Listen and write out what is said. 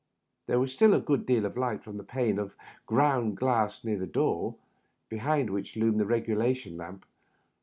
There was still a good deal of light from the pane of ground glass near the door, behind which loomed the regulation lamp.